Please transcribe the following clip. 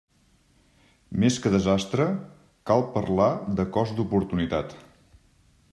Més que desastre, cal parlar de cost d'oportunitat.